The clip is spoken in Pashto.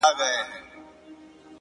زما او ستا په جدايۍ خوشحاله،